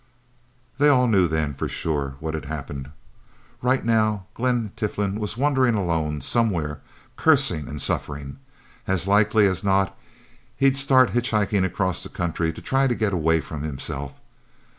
They all knew then, for sure, what had happened. Right now, Glen Tiflin was wandering alone, somewhere, cursing and suffering. As likely as not, he'd start hitchhiking across the country, to try to get away from himself...